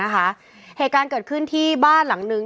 เหตุการณ์เกิดขึ้นที่บ้านหลังนึง